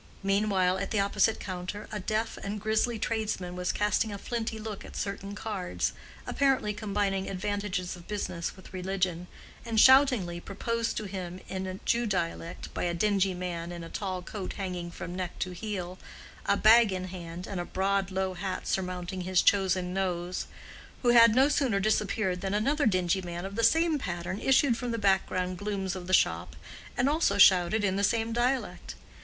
Meanwhile at the opposite counter a deaf and grisly tradesman was casting a flinty look at certain cards, apparently combining advantages of business with religion, and shoutingly proposed to him in Jew dialect by a dingy man in a tall coat hanging from neck to heel, a bag in hand, and a broad low hat surmounting his chosen nose—who had no sooner disappeared than another dingy man of the same pattern issued from the background glooms of the shop and also shouted in the same dialect.